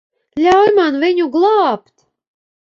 Ļauj man viņu glābt.